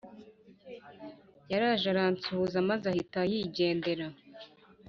Yaraje aransuhuza maze ahita yigendera